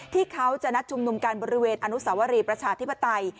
ที่เขาจะนัดชุมนุมกันบริเวณอนุสาวรีประชาธิปไตย